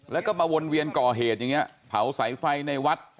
แล้วก็มาวนเวียนก่อเหตุอย่างนี้เผาสายไฟในวัด